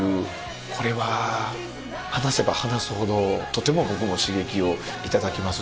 これは話せば話すほどとても僕も刺激を頂きます。